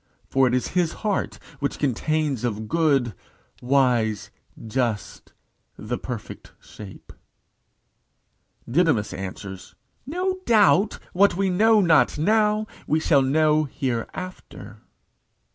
For it is his heart which Contains of good, wise, just, the perfect shape. Didymus answers, "No doubt, what we know not now, we shall know hereafter."